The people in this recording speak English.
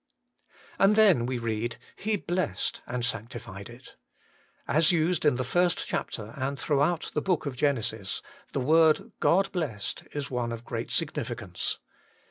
3. And then we read, ' He blessed and sanctified it.' As used in the first chapter and throughout the book of Genesis, the word ' God blessed ' is one of great significance.